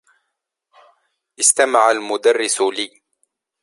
استمع المدرّس لي.